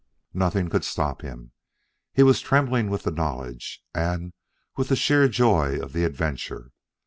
Nothing could stop him! He was trembling with the knowledge, and with the sheer joy of the adventure.